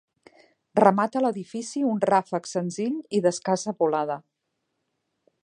Remata l'edifici un ràfec senzill i d'escassa volada.